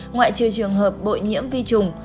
ngoại trừ trường hợp bội nhiễm vi trùng